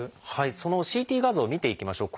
そのＣＴ画像を見ていきましょう。